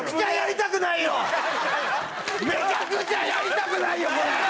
めちゃくちゃやりたくないよこれ！